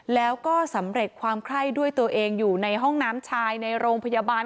แล้วก็สำเร็จความไข้ด้วยตัวเองอยู่ในห้องน้ำชายในโรงพยาบาล